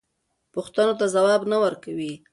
پوښتنو ته ځواب نه ورکوي.